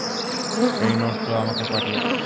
এই, নোট গুলো আমাকে পাঠিয়ে দিস।